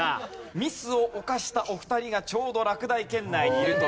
ミスを犯したお二人がちょうど落第圏内にいるという。